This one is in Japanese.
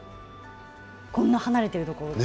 こんなに離れてるところで。